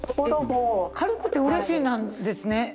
えっ「軽くてうれしい」なんですね？